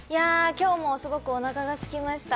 今日もすごくおなかがすきました。